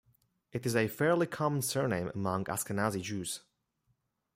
It is a fairly common surname among Ashkenazi Jews.